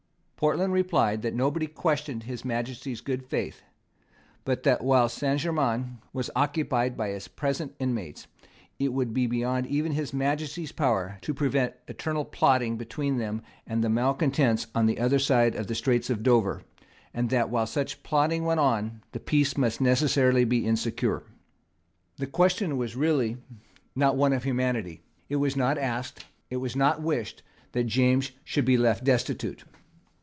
Portland replied that nobody questioned His Majesty's good faith; but that while Saint Germains was occupied by its present inmates it would be beyond even His Majesty's power to prevent eternal plotting between them and the malecontents on the other side of the Straits of Dover, and that, while such plotting went on, the peace must necessarily be insecure. The question was really not one of humanity. It was not asked, it was not wished, that James should be left destitute.